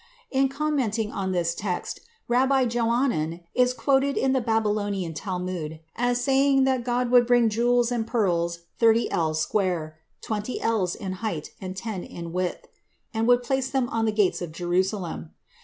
In commenting on this text Rabbi Johanan is quoted in the Babylonian Talmud as saying that God would bring jewels and pearls thirty ells square (twenty ells in height and ten in width) and would place them on the gates of Jerusalem.